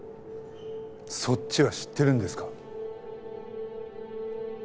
そっちは知ってるんですか？